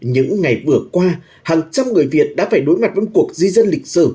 những ngày vừa qua hàng trăm người việt đã phải đối mặt với cuộc di dân lịch sử